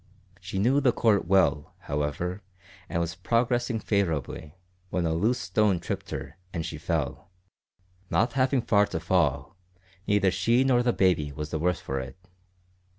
She knew the court well, however, and was progressing favourably, when a loose stone tripped her and she fell. Not having far to fall, neither she nor the baby was the worse for it.